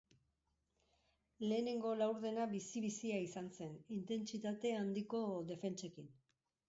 Lehenengo laurdena bizi-bizia izan zen, intentsitate handiko defentsekin.